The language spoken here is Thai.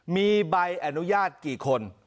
มีใบอนุญาตกี่คน